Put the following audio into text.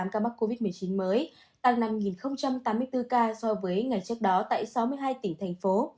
một trăm tám mươi năm trăm năm mươi tám ca mắc covid một mươi chín mới tăng năm tám mươi bốn ca so với ngày trước đó tại sáu mươi hai tỉnh thành phố